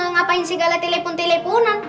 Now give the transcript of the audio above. ngapain segala telepon teleponan